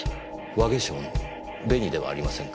和化粧の紅ではありませんか？